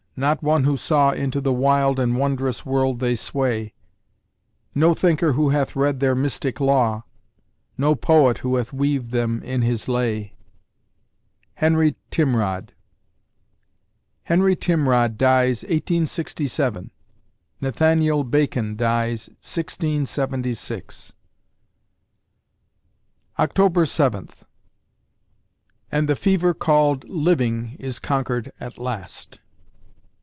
Not one who saw Into the wild and wondrous world they sway; No thinker who hath read their mystic law; No Poet who hath weaved them in his lay. HENRY TIMROD Henry Timrod dies, 1867 Nathaniel Bacon dies, 1676 October Seventh And the fever called "Living" Is conquered at last.